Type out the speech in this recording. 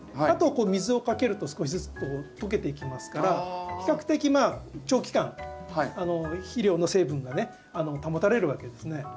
あとこう水をかけると少しずつ溶けていきますから比較的長期間肥料の成分がね保たれるわけですね。